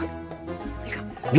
biasanya mah orang berlalu gitu ya